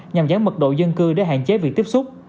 nhằm giãn mật độ dân cư